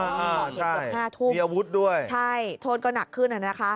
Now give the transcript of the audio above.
เกือบห้าทุ่มมีอาวุธด้วยใช่โทษก็หนักขึ้นอ่ะนะคะ